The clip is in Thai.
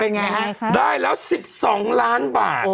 เป็นไงฮะได้แล้ว๑๒ล้านบาท